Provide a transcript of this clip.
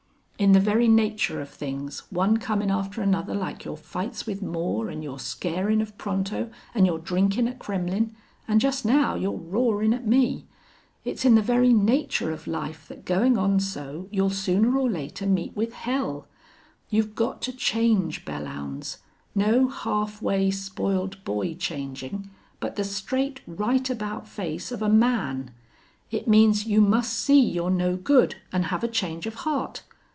In the very nature of things, one comin' after another like your fights with Moore, an' your scarin' of Pronto, an' your drinkin' at Kremmlin', an' just now your r'arin' at me it's in the very nature of life that goin' on so you'll sooner or later meet with hell! You've got to change, Belllounds. No half way, spoiled boy changin', but the straight right about face of a man!... It means you must see you're no good an' have a change of heart.